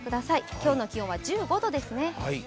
今日の気温は１５度ですね。